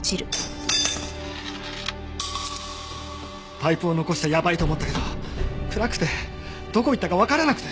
パイプを残しちゃやばいと思ったけど暗くてどこ行ったかわからなくて。